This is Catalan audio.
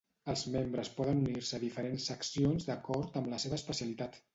Els membres poden unir-se a diferents seccions d'acord amb la seva especialitat.